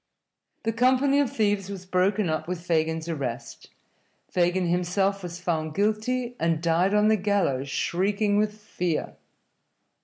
The company of thieves was broken up with Fagin's arrest. Fagin himself was found guilty, and died on the gallows shrieking with fear.